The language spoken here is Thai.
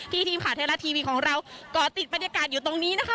ทีมข่าวไทยรัฐทีวีของเราก่อติดบรรยากาศอยู่ตรงนี้นะคะ